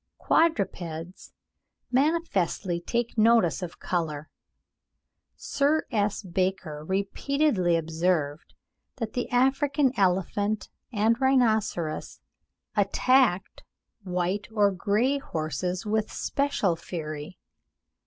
Quadrupeds manifestly take notice of colour. Sir S. Baker repeatedly observed that the African elephant and rhinoceros attacked white or grey horses with special fury.